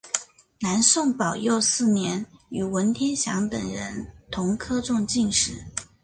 南宋宝佑四年与文天祥等人同科中进士。